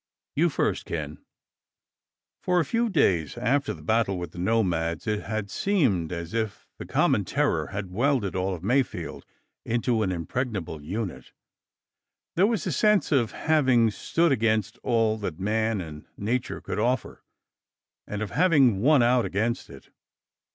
You first, Ken." For a few days after the battle with the nomads, it had seemed as if the common terror had welded all of Mayfield into an impregnable unit. There was a sense of having stood against all that man and nature could offer, and of having won out against it.